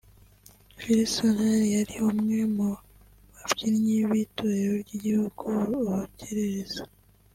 Jules Sentore yari umwe mu babyinnyi b’Itorero ry’Igihugu ‘Urukerereza’